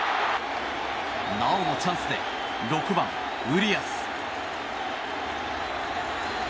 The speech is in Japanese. なおもチャンスで６番、ウリアス。